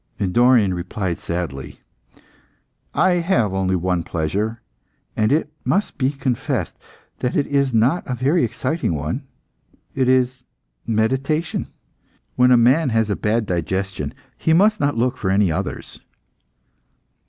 Dorion replied sadly "I have only one pleasure, and, it must be confessed, that it is not a very exciting one; it is meditation. When a man has a bad digestion, he must not look for any others."